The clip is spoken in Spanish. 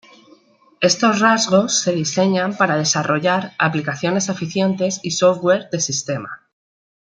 Estos rasgos se diseñan para desarrollar aplicaciones eficientes y software del sistema.